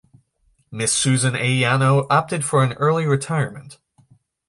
Mrs. Susan A. Yano opted for an early retirement.